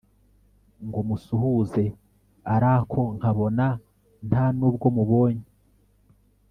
ngo musuhuze arako nkabona ntanubwomubonye